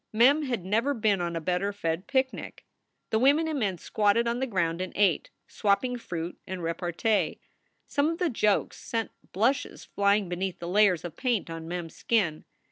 Mem had never been on a better fed picnic. The women and men squatted on the ground and ate, swapping fruit and repartee. Some of the jokes sent blushes flying beneath the layers of paint on Mem s skin.